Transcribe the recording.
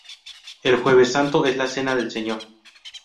El Jueves Santo es la Cena del Señor.